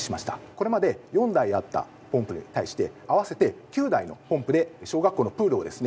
これまで４台あったポンプに対して合わせて９台のポンプで小学校のプールをですね